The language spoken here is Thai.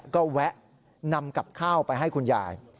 ก็แวะนำกับข้าวไปให้คุณยาย